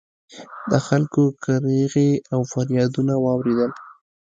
د خلکو کریغې او فریادونه واورېدل